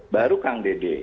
baru kang dede